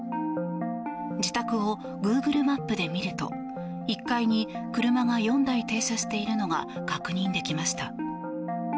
自宅をグーグルマップで見ると１階に車が４台停車しているのが確認できました。